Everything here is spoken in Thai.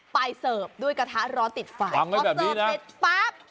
ไปเสิร์ฟด้วยกระทะร้อนติดฝ่ายเพราะเสิร์ฟเสร็จปั๊บ